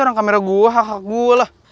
orang kamera gue hak hak gue lah